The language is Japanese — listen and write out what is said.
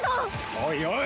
おいおい！